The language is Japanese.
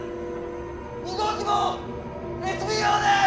２号機もＳＢＯです！